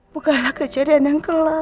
bukanlah kejadian yang kelap